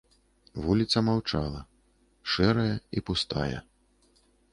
Вуліца маўчала, шэрая і пустая.